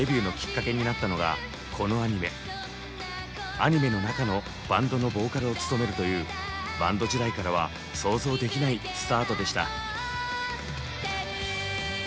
アニメの中のバンドのボーカルを務めるというバンド時代からは想像できないスタートでした。